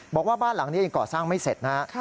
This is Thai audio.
บอกว่าบ้านหลังนี้ยังก่อสร้างไม่เสร็จนะครับ